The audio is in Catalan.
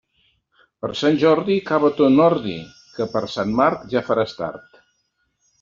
Per Sant Jordi, cava ton ordi, que per Sant Marc ja faràs tard.